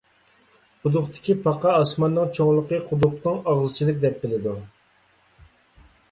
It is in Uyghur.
قۇدۇقتىكى پاقا، ئاسماننىڭ چوڭلۇقى قۇدۇقنىڭ ئاغزىچىلىك دەپ بىلىدۇ.